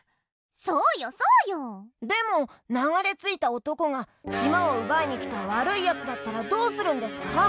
そうよそうよ！でもながれついたおとこがしまをうばいにきたわるいやつだったらどうするんですか？